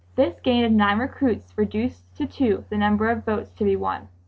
This gain of nine recruits reduced to two the number of votes to be won.